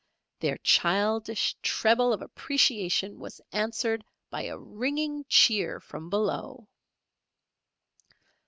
Their childish treble of appreciation was answered by a ringing cheer from below.